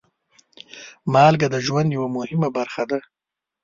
مالګه د ژوند یوه مهمه برخه ده.